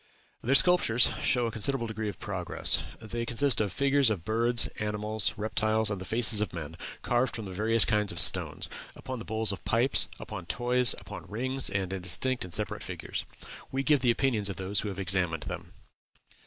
Their sculptures show a considerable degree of progress. They consist of figures of birds, animals, reptiles, and the faces of men, carved from various kinds of stones, upon the bowls of pipes, upon toys, upon rings, and in distinct and separate figures. We give the opinions of those who have examined them.